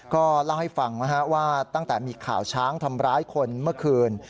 ก็เล่าให้ฟังว่าตั้งแต่มีข่าวช้างทำร้ายคนเมื่อคืน